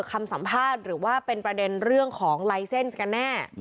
คำสัมภาษณ์หรือว่าเป็นประเด็นเรื่องของลายเซ็นต์กันแน่